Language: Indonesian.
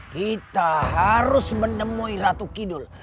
kita harus menemui ratu kidul